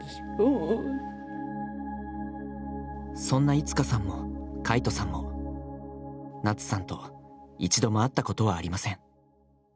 そんないつかさんも魁翔さんもナツさんと一度も会ったことはありません。